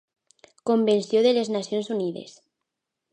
Convenció de les Nacions Unides.